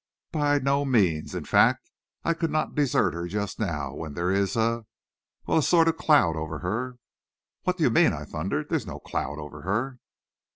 "By no means. In fact, I could not desert her just now, when there is a well, a sort of a cloud over her." "What do you mean?" I thundered. "There is no cloud over her."